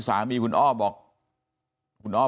สาเมียน้อบอก